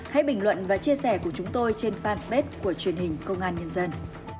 hãy bình luận và chia sẻ của chúng tôi trên fanpage của truyền hình công an nhân dân